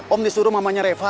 om disuruh mamanya reva